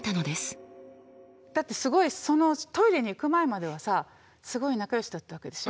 だってすごいそのトイレに行く前まではさすごい仲良しだったわけでしょ？